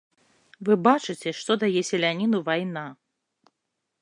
Вы бачыце, што дае селяніну вайна.